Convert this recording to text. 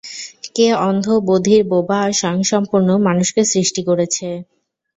কে অন্ধ, বধির, বোবা আর স্বয়ংসম্পূর্ণ মানুষকে সৃষ্টি করেছে?